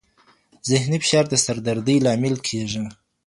ذهني فشار د سر دردي لامل کېږي.